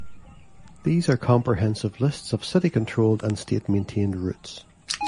These are comprehensive lists of city-controlled and state maintained routes.